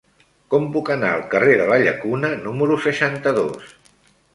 Com puc anar al carrer de la Llacuna número seixanta-dos?